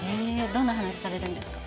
どんな話されるんですか？